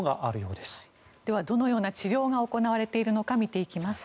では、どのような治療が行われているのか見ていきます。